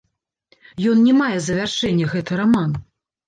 Ён не мае завяршэння, гэты раман.